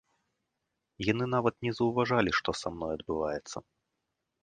Яны нават не заўважалі, што са мной адбываецца.